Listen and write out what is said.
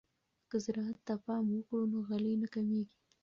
که زراعت ته پام وکړو نو غلې نه کمیږي.